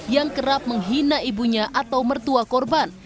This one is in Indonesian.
yang kerap menghina ibunya atau mertua korban